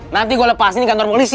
nanti gua lepasin di kantor polisi